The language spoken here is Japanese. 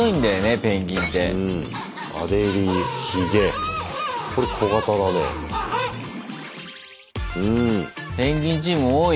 ペンギンチーム多いねぇ。